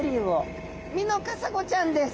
ミノカサゴちゃんです。